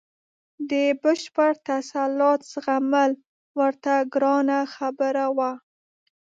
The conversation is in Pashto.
د بشپړ تسلط زغمل ورته ګرانه خبره وه.